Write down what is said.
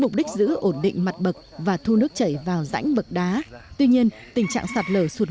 mục đích giữ ổn định mặt bậc và thu nước chảy vào rãnh bậc đá tuy nhiên tình trạng sạt lở sụt